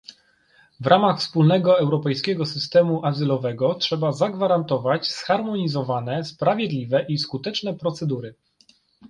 W ramach wspólnego europejskiego systemu azylowego trzeba zagwarantować zharmonizowane, sprawiedliwe i skuteczne procedury